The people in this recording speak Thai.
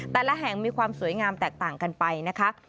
แต่ละแห่งมีความสวยงามแตกต่างกันไปนะคะ